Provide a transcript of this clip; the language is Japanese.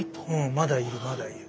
まだいるまだいる。